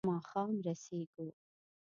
ماښام رسېږو.